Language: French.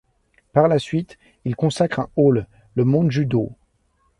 Par la suite il consacre un hall, le Monju-dō.